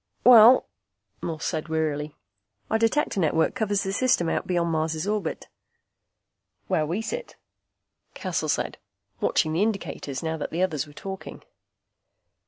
"Well," Morse said wearily, "Our Detector network covers the system out beyond Mars' orbit." "Where we sit," Cassel said, watching the indicators now that the others were talking.